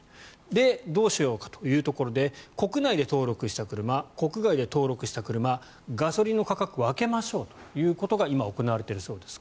で、どうしようかというところで国内で登録した車国外で登録した車ガソリンの価格を分けましょうということが今、行われているそうです。